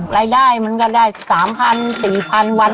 รายได้มันก็ได้๓๐๐๔๐๐๐วัน